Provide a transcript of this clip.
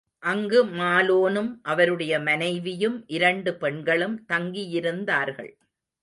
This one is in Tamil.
அங்கு மலோனும், அவருடைய மனைவியும், இரண்டு பெண்களும் தங்கியிருந்தார்கள்.